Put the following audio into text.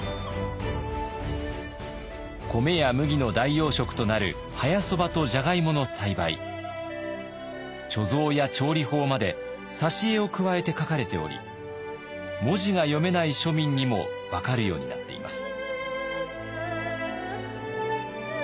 米や麦の代用食となる早そばとジャガイモの栽培貯蔵や調理法まで挿絵を加えて書かれており文字が読めない庶民にも分かるようになっています。